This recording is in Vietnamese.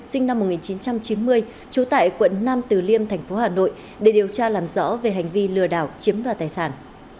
sinh năm một nghìn chín trăm chín mươi trú tại quận nam từ liêm thành phố hà nội để điều tra làm rõ về hành vi lừa đảo chiếm đoạt tài sản